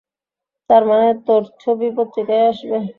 তার মানে তোর ছবি পত্রিকায়ও আসবে?